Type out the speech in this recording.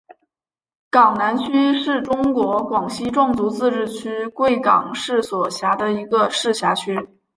港南区是中国广西壮族自治区贵港市所辖的一个市辖区。